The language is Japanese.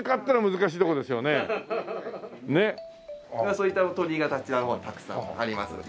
そういったお鳥居があちらの方にたくさんありますので。